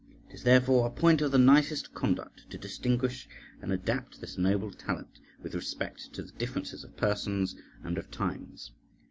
It is therefore a point of the nicest conduct to distinguish and adapt this noble talent with respect to the differences of persons and of times.